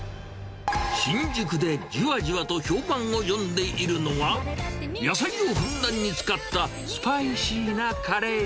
新宿でじわじわと評判を呼んでいるのは、野菜をふんだんに使ったスパイシーなカレー。